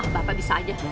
bapak bisa aja